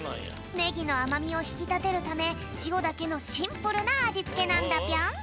ねぎのあまみをひきたてるためしおだけのシンプルなあじつけなんだぴょん。